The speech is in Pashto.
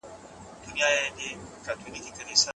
عِشرت په لغت کي د مخالطت يا سره ګډيدلو ته ويل کیږي.